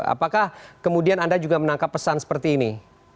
apakah kemudian anda juga menangkap pesan seperti ini